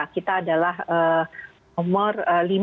kita adalah nomor lima